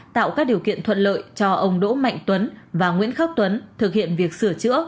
tạo các điều kiện thuận lợi cho ông đỗ mạnh tuấn và nguyễn khắc tuấn thực hiện việc sửa chữa